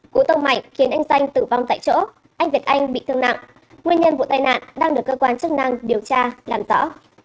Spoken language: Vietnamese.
cú tông mạnh khiến anh danh tử vong tại chỗ anh việt anh bị thương nặng nguyên nhân vụ tai nạn đang được cơ quan chức năng điều tra làm rõ